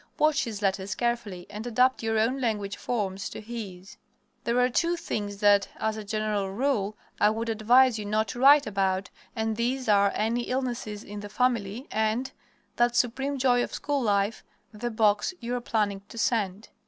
Watch his letters carefully and adapt your own language forms to his. There are two things that, as a general rule, I would advise you not to write about, and these are any illnesses in the family and that supreme joy of school life the box you are planning to send.